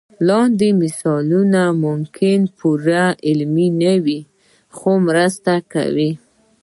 لاندې مثال ممکن پوره علمي نه وي خو مرسته کوي.